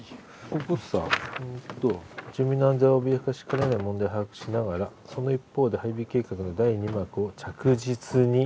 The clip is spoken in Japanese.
ここさえと「住民の安全を脅かしかねない問題を把握しながらその一方で配備計画の第二幕を着実に」。